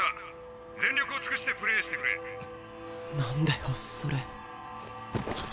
何だよそれ。